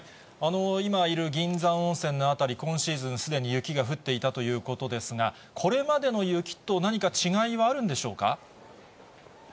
今いる銀山温泉の辺り、今シーズン、すでに雪が降っていたということですが、これまでの雪と、何か違いはあるんでしょうか。